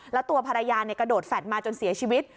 แล้วตัวภรรยากระโดดแฟลตมาจนเสียชีวิต